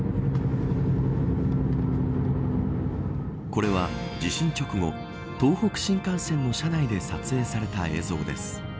これは地震直後東北新幹線の車内で撮影された映像です。